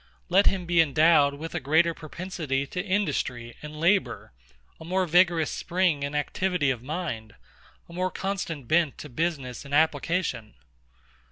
Let him be endowed with a greater propensity to industry and labour; a more vigorous spring and activity of mind; a more constant bent to business and application.